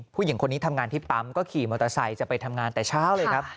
ผู้หญิงคนนี้ทำงานที่ปั๊มก็ขี่มอเตอร์ไซค์จะไปทำงานแต่เช้าเลยครับ